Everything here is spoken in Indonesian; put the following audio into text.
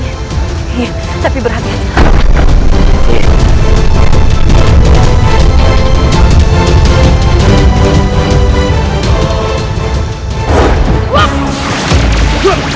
iya tapi berhati hati